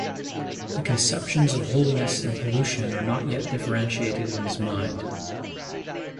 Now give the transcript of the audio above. The conceptions of holiness and pollution are not yet differentiated in his mind.